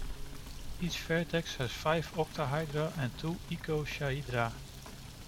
Each vertex has five octahedra and two icosahedra.